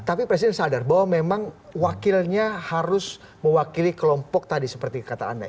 tapi presiden sadar bahwa memang wakilnya harus mewakili kelompok tadi seperti kata anda